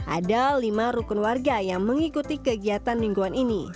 ada lima rukun warga yang mengikuti kegiatan mingguan ini